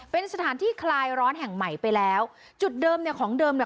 เป็นสถานที่คลายร้อนแห่งใหม่ไปแล้วจุดเดิมเนี่ยของเดิมเนี่ย